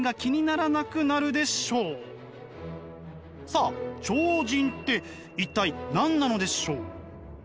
さあ超人って一体何なのでしょう？